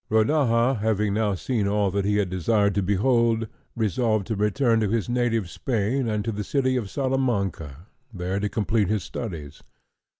Rodaja having now seen all that he had desired to behold, resolved to return to his native Spain, and to the city of Salamanca, there to complete his studies.